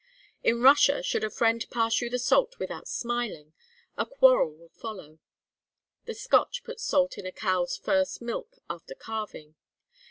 In Russia, should a friend pass you the salt without smiling, a quarrel will follow. The Scotch put salt in a cow's first milk after calving.